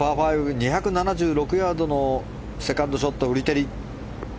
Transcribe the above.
２７６ヤードのセカンドショット、フリテリ。